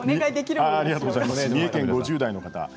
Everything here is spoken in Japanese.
三重県５０代の方。